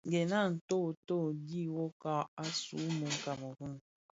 Gèn a nto u dhid nwokag, asuu mun Kameroun,